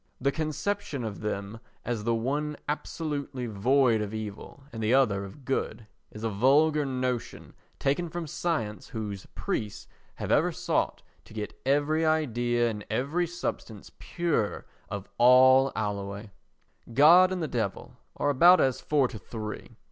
The conception of them as the one absolutely void of evil and the other of good is a vulgar notion taken from science whose priests have ever sought to get every idea and every substance pure of all alloy. God and the Devil are about as four to three.